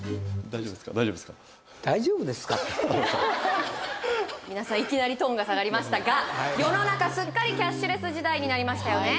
「大丈夫ですか？」って皆さんいきなりトーンが下がりましたが世の中すっかりキャッシュレス時代になりましたよね